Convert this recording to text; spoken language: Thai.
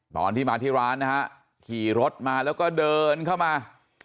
ตอนที่มาที่ร้านนะฮะขี่รถมาแล้วก็เดินเข้ามา